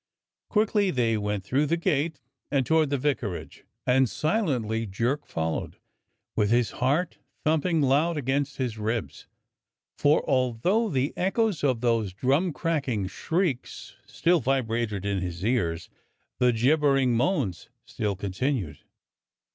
Quickly they went through the gate and toward the vicarage, and silently Jerk followed, with his heart thumping loud against his ribs; for although the echoes of those drum cracking shrieks still vibrated in his ears, the gibbering moans still continued.